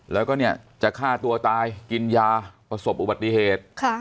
แล้วก็เนี่ยจะฆ่าตัวตายกินยาประสบอุบัติเหตุ